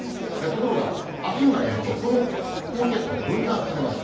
ところが、あすになりますと、この高気圧が分断されます。